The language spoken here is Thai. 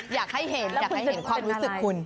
อยากให้เห็นความรู้สึกของคุณ